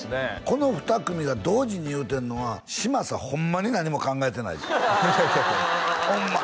この２組が同時に言うてるのは嶋佐ホンマに何も考えてないとホンマ